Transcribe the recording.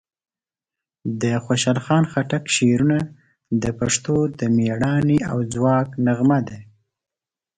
د خوشحال خان خټک شعرونه د پښتنو د مېړانې او ځواک نغمه ده.